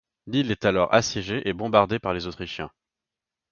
Lille est alors assiégée et bombardée par les Autrichiens.